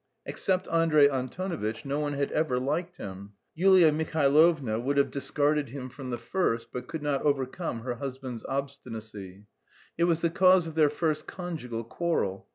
Except Andrey Antonovitch no one had ever liked him. Yulia Mihailovna would have discarded him from the first, but could not overcome her husband's obstinacy. It was the cause of their first conjugal quarrel.